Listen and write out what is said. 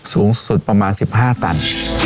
สูงสุดประมาณ๑๕ตัน